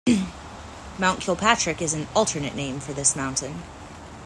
"Mount Kilpatrick" is an alternate name for this mountain.